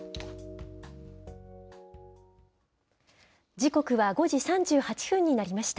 時刻は５時３８分になりました。